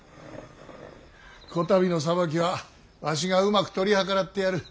こたびの裁きはわしがうまく取り計らってやる。